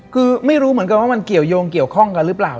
คือไม่รู้เหมือนกันว่ามันเกี่ยวยงเกี่ยวข้องกันหรือเปล่า